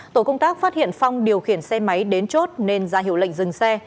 tổ công tác phát hiện phong điều khiển xe máy đến chốt nên ra hiệu lệnh dừng xe